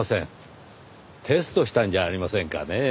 テストしたんじゃありませんかねぇ。